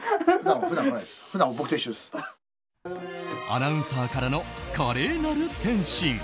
アナウンサーからの華麗なる転身。